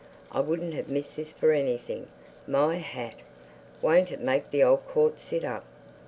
I wouldn't have missed this for anything. My hat! Won't it make the old court sit up?